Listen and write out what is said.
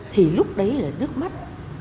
thì lúc đấy là nước mắt